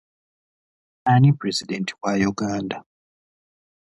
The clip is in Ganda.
Ani pulezidenti wa Uganda?